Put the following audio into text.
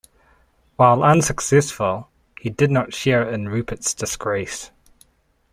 While unsuccessful, he did not share in Rupert's disgrace.